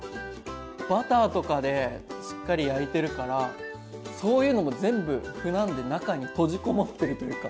バターとかでしっかり焼いてるからそういうのも全部麩なんで中に閉じこもってるというか。